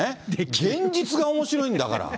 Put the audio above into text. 現実がおもしろいんだから。